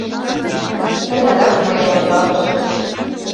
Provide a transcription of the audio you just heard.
— Тый адак мыйым ондалышыч.